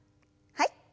はい。